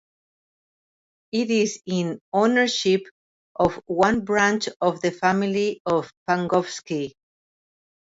It is in ownership of one branch of the family of Pangovski.